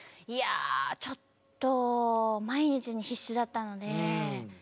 いやちょっと毎日に必死だったので。